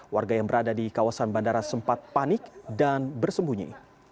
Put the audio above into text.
warga yang berada di kawasan bandara sempat panik dan bersembunyi